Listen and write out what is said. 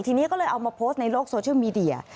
ทีนี้ก็เลยเอามาโพสต์ในโลกโซเชียลมีเดีย